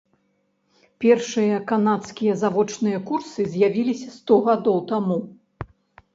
Першыя канадскія завочныя курсы з'явіліся сто гадоў таму.